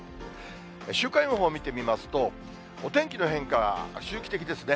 週間予報を見てみますと、お天気の変化は周期的ですね。